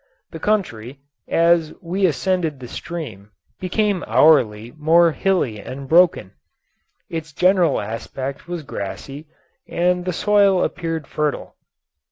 The country, as we ascended the stream, became hourly more hilly and broken. Its general aspect was grassy, and the soil appeared fertile.